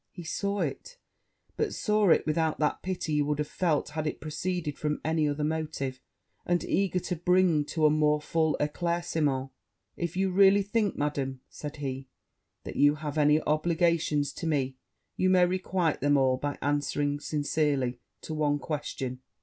He saw it but saw it without that pity he would have felt had it proceeded from any other motive; and, eager to bring her to a more full eclaircissement, 'If you really think, Madam,' said he, 'that you have any obligations to me, you may requite them all by answering sincerely to one question.